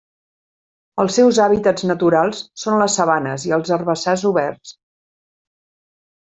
Els seus hàbitats naturals són les sabanes i els herbassars oberts.